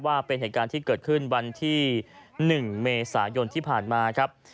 ว่าเป็นเหตุการณ์ที่เกิดขึ้นวันที่๑เมษายนที่ผ่านมาครับ